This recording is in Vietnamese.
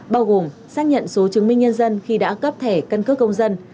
bao gồm xác nhận số chứng minh nhân dân khi đã cấp thẻ căn cước công dân